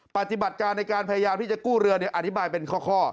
ปฏิบัติการในการพยายามที่จะกู้เรืออธิบายเป็นข้อ